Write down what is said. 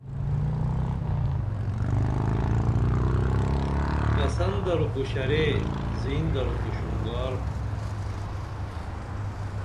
بسن درو کو شرے زین درو کو شونگار